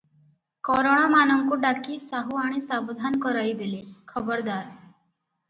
କରଣମାନଙ୍କୁ ଡାକି ସାହୁଆଣୀ ସାବଧାନ କରାଇଦେଲେ, "ଖବରଦାର!